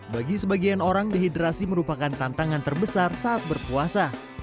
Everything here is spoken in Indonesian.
bagi sebagian orang dehidrasi merupakan tantangan terbesar saat berpuasa